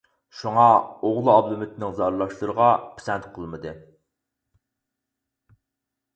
شۇڭا ئوغلى ئابلىمىتنىڭ زارلاشلىرىغا پىسەنت قىلمىدى.